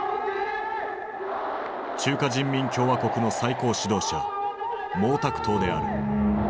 中華人民共和国の最高指導者毛沢東である。